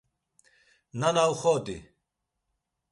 Nana uxodi!